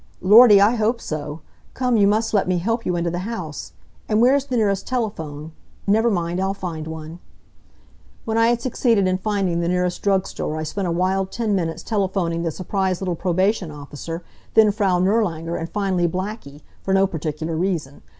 "Lordy, I hope so! Come, you must let me help you into the house. And where is the nearest telephone? Never mind; I'll find one." When I had succeeded in finding the nearest drug store I spent a wild ten minutes telephoning the surprised little probation officer, then Frau Nirlanger, and finally Blackie, for no particular reason.